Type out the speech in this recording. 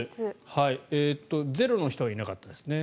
ゼロの人はいなかったですね。